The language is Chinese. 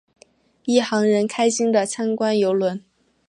一行人开心的参观邮轮。